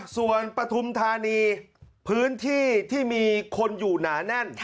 ส่วนปฐุมธานีพื้นที่ที่มีคนอยู่หนาแน่น